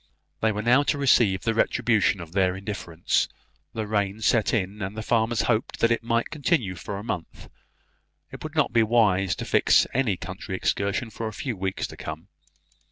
They were now to receive the retribution of their indifference; rain had set in, and the farmers hoped that it might continue for a month. It would not be wise to fix any country excursion for a few weeks to come.